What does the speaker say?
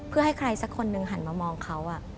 เพื่อให้ใครสักคนหนึ่งหันมามองเขา